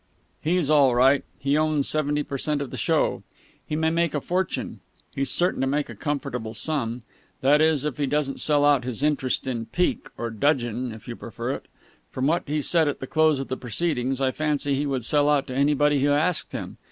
"He's all right. He owns seventy per cent of the show. He may make a fortune. He's certain to make a comfortable sum. That is, if he doesn't sell out his interest in pique or dudgeon, if you prefer it. From what he said at the close of the proceedings, I fancy he would sell out to anybody who asked him.